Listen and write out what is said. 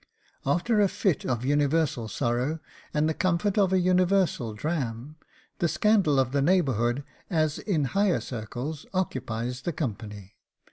After a fit of universal sorrow, and the comfort of a universal dram, the scandal of the neighbourhood, as in higher circles, occupies the company.